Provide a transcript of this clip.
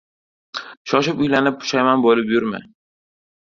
• Shoshib uylanib pushaymon bo‘lib yurma.